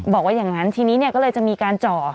บอกว่าอย่างนั้นทีนี้เนี่ยก็เลยจะมีการเจาะ